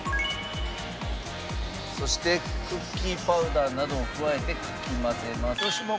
そしてクッキーパウダーなどを加えてかき混ぜます。